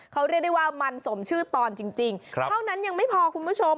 เขาเรียกได้ว่ามันสมชื่อตอนจริงเท่านั้นยังไม่พอคุณผู้ชม